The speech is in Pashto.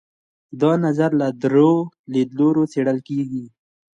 دا نظریه له درېیو لیدلورو څېړل کیږي.